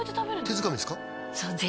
手づかみですか？